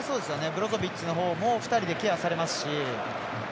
ブロゾビッチのほうも２人でケアされますし。